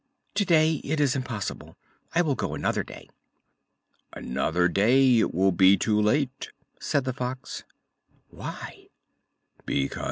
"Today it is impossible; I will go another day." "Another day it will be too late!" said the Fox. "Why?"